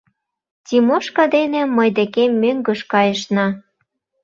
Тимошка дене мый декем мӧҥгыш кайышна.